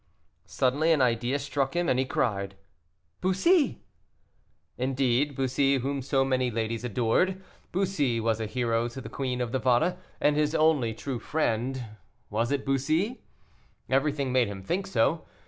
Suddenly an idea struck him, and he cried, "Bussy!" Indeed, Bussy, whom so many ladies adored, Bussy was a hero to the Queen of Navarre, and his only true friend was it Bussy? Everything made him think so.